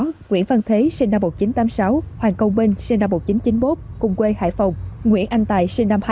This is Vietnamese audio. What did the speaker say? nguyễn văn thế hoàng công minh nguyễn anh tài